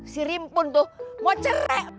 si rimpun tuh mau cerai